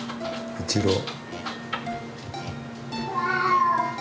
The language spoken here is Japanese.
イチロー。